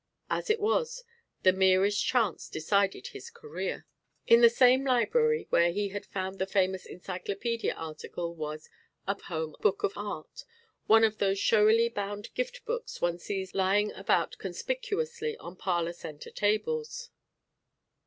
As it was, the merest chance decided his career. In the same library where he had found the famous encyclopædia article was "A Home Book of Art," one of those showily bound gift books one sees lying about conspicuously on parlour centre tables.